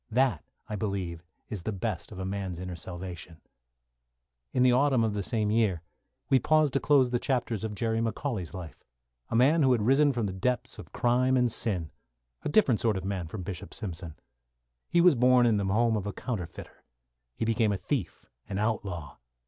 That, I believe, is the best of a man's inner salvation. In the autumn of the same year we paused to close the chapters of Jerry McCauley's life, a man who had risen from the depths of crime and sin a different sort of man from Bishop Simpson. He was born in the home of a counterfeiter. He became a thief, an outlaw.